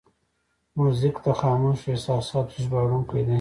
موزیک د خاموشو احساساتو ژباړونکی دی.